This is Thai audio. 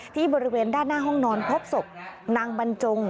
บริเวณด้านหน้าห้องนอนพบศพนางบรรจง